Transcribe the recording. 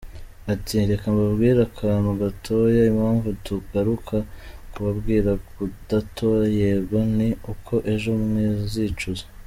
Ati “reka mbabwire akantu gatoya, impamvu tugaruka kubabwira kudatora yego, ni uko ejo mwazicuza”.